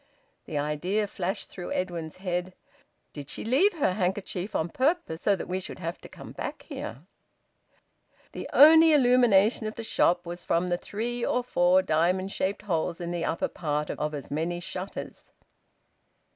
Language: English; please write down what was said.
The idea flashed through Edwin's head: "Did she leave her handkerchief on purpose, so that we should have to come back here?" The only illumination of the shop was from three or four diamond shaped holes in the upper part of as many shutters.